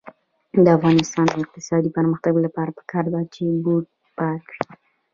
د افغانستان د اقتصادي پرمختګ لپاره پکار ده چې بوټ پاک وي.